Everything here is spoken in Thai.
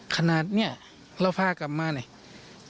ขนาดนี้เราพากลับมาเนี่ย